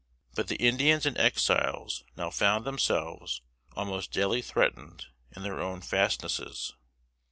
But the Indians and Exiles now found themselves almost daily threatened in their own fastnesses.